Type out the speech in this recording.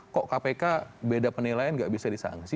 kok kpk beda penilaian nggak bisa disangsi